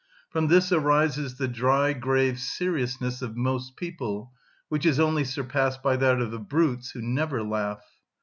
From this arises the dry, grave seriousness of most people, which is only surpassed by that of the brutes, who never laugh.